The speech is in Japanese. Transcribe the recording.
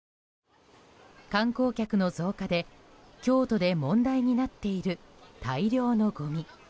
観光客の増加で、京都で問題になっている大量のごみ。